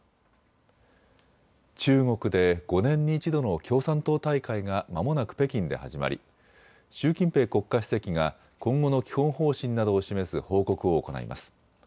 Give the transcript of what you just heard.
中国で５年に１度の共産党大会がまもなく北京で始まり習近平国家主席が今後の基本方針などを示す報告を行います。